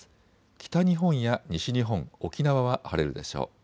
北日本や西日本、沖縄は晴れるでしょう。